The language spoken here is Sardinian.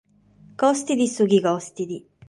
Costet su chi costet.